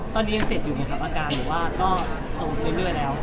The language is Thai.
ตอนนี้เตตแต่อยู่ไหมครับอาการหรือว่าโจทย์ได้เรื่อยแล้ว